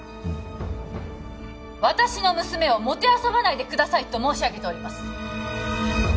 私の娘を弄ばないでくださいと申し上げております